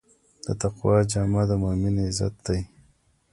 د تقوی جامه د مؤمن عزت دی.